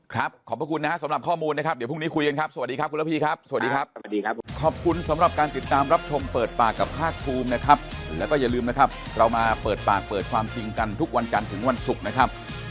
ครับผมครับขอบพระคุณนะฮะสำหรับข้อมูลนะครับเดี๋ยวพรุ่งนี้คุยกันครับ